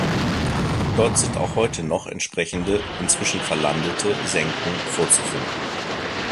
Dort sind auch heute noch entsprechende, inzwischen verlandete, Senken vorzufinden.